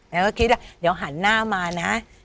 แล้วก็คิดว่าเดี๋ยวหันหน้ามานะ